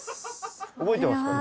覚えてますか？